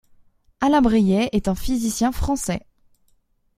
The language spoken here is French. Alain Brillet est un physicien français.